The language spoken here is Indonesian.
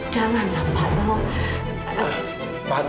janganlah pak tolong